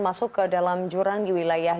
masuk ke dalam jurang di wilayah